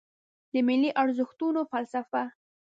د ملي ارزښتونو فلسفه